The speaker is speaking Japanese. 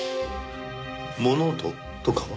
物音とかは？